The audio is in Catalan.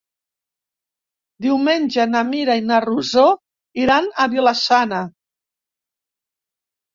Diumenge na Mira i na Rosó iran a Vila-sana.